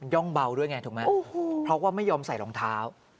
่องเบาด้วยไงถูกไหมเพราะว่าไม่ยอมใส่รองเท้า